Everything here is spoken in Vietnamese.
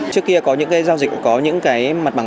trước kia có những cái giao dịch có những cái mặt bằng